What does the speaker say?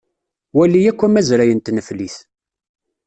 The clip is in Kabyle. Wali akk amazray n tneflit.